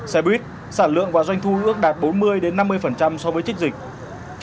xe buýt sản lượng và doanh thu ước đạt bốn mươi năm mươi so với trích dịch